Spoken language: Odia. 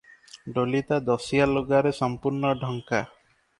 ଡୋଲିଟା ଦଶିଆ ଲୁଗାରେ ସମ୍ପୂର୍ଣ୍ଣ ଢଙ୍କା ।